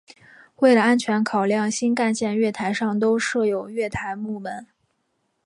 为了安全考量新干线月台上都设有月台幕门。